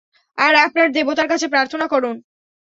আর আপনার দেবতার কাছে প্রার্থনা করুন।